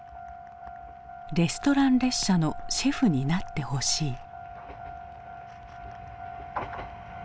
「レストラン列車のシェフになってほしい」。